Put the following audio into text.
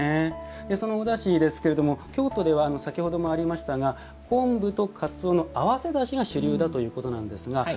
そのおだしですけれども京都では、先ほどもありましたが昆布とかつおの合わせだしが主流だということなんですが。